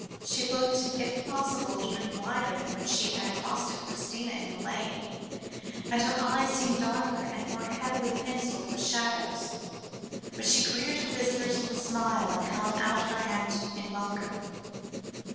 She looked, if possible, even whiter than when she had accosted Christina in the lane, and her eyes seemed darker and more heavily pencilled with shadows; but she greeted her visitors with a smile, and held out her hand in welcome.